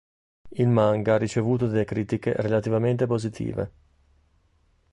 Il manga ha ricevuto delle critiche relativamente positive.